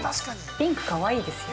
◆ピンクかわいいですよ。